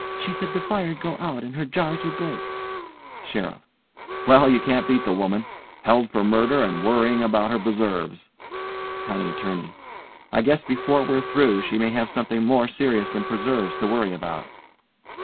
She said the fire'd go out and her jars would break. SHERIFF: Well, can you beat the women! Held for murder and worryin' about her preserves. COUNTY ATTORNEY: I guess before we're through she may have something more serious than preserves to worry about.